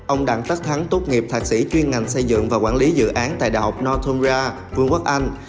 ông đặng tất thắng tốt nghiệp thạc sĩ chuyên ngành xây dựng và quản lý dự án tại đại học notomra vương quốc anh